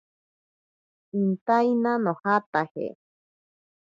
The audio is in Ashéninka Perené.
Intaina nojataje.